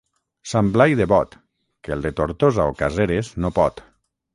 Sant Blai de Bot, que el de Tortosa o Caseres no pot.